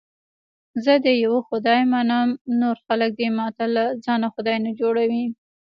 زه د یوه خدای منم، نور خلک دې ماته له ځانه خدای نه جوړي.